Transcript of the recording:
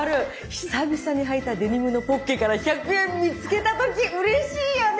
久々にはいたデニムのポッケから１００円見つけた時うれしいよね。